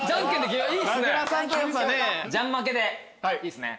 ジャン負けでいいっすね。